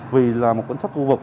vì là một cảnh sát khu vực